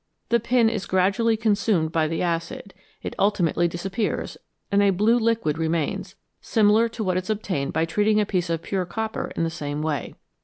The pin is gradually consumed by the acid, it ultimately disappears, and a blue liquid remains, similar to what is obtained by treating a piece of pure copper in the same way.